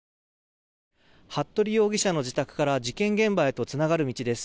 服部容疑者の自宅から事件現場へとつながる道です。